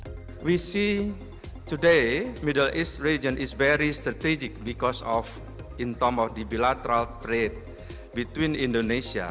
kita melihat hari ini kawasan tengah tengah adalah sangat strategis karena dalam hal perubahan bilateral antara indonesia